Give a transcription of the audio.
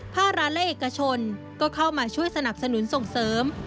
ภาครัฐและเอกชนก็เข้ามาช่วยสนับสนุนส่งเสริม